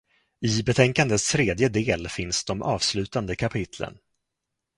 I betänkandets tredje del finns de avslutande kapitlen.